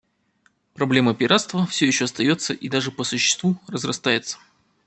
Проблема пиратства все еще остается и даже по существу разрастается.